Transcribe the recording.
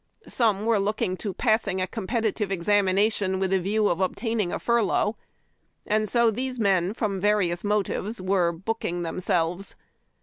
Some were looking to passing a competitive examination with a view of obtaining a furlough ; and so these men, from various nu)tives, were " booking " themselves.